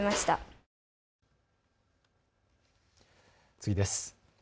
次です。